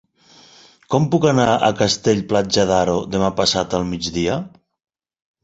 Com puc anar a Castell-Platja d'Aro demà passat al migdia?